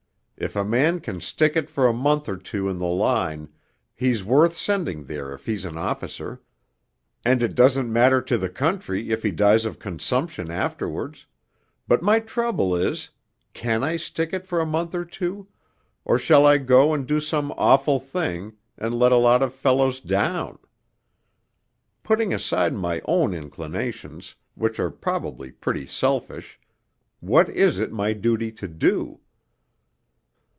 If a man can stick it for a month or two in the line, he's worth sending there if he's an officer ... and it doesn't matter to the country if he dies of consumption afterwards.... But my trouble is can I stick it for a month or two ... or shall I go and do some awful thing, and let a lot of fellows down?... Putting aside my own inclinations, which are probably pretty selfish, what is it my duty to do?...